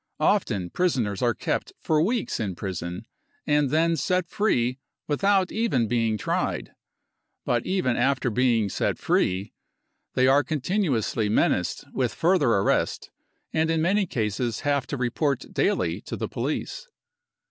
Often prisoners are kept for weeks in prison and then set free without even being tried. But even after being set free they are continuously menaced with further arrest, and in many cases have to report daily to the police.